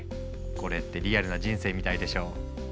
これってリアルな人生みたいでしょ？